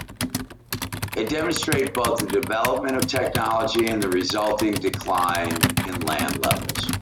They demonstrate both the development of technology and the resulting decline in land levels.